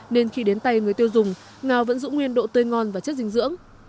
nên khi đến tay người tiêu dùng ngao vẫn giữ nguyên độ tươi ngon và chất dinh dưỡng